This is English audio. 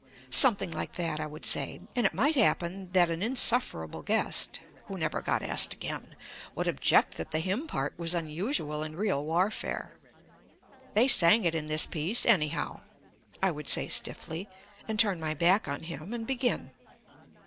Something like that I would say; and it might happen that an insufferable guest (who never got asked again) would object that the hymn part was unusual in real warfare. "They sang it in this piece, anyhow," I would say stiffly, and turn my back on him and begin.